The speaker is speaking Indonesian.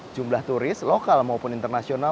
jumlah turis lokal maupun internasional